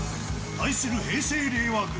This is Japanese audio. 対する平成・令和軍。